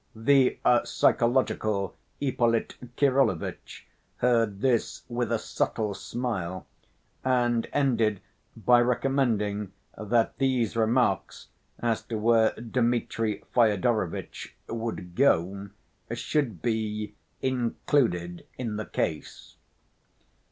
" The psychological Ippolit Kirillovitch heard this with a subtle smile, and ended by recommending that these remarks as to where Dmitri Fyodorovitch would go should be "included in the case."